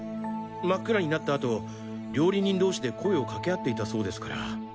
真っ暗になった後料理人同士で声を掛け合っていたそうですから。